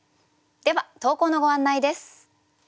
では投稿のご案内です。